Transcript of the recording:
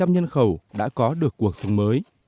nhân khẩu đã có được cuộc sống mới